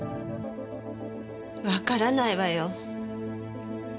わからないわよ。